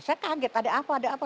saya kaget ada apa ada apa